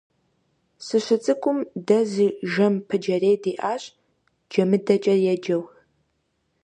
СыщыцӀыкум, дэ зы жэм пыджэрей диӀащ, ДжэмыдэкӀэ еджэу.